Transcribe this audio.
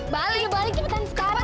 balik balik cepetan sekarang